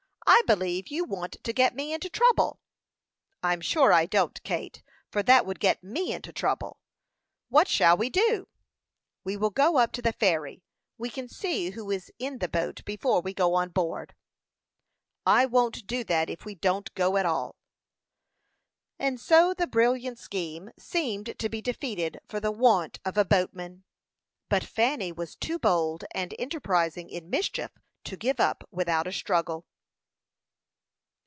I believe you want to get me into trouble." "I'm sure I don't, Kate, for that would get me into trouble. What shall we do?" "We will go up to the ferry. We can see who is in the boat before we go on board." "I won't do that if we don't go at all." And so the brilliant scheme seemed to be defeated for the want of a boatman; but Fanny was too bold and enterprising in mischief to give up without a struggle.